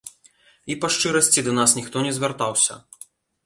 І, па шчырасці, да нас ніхто не звяртаўся.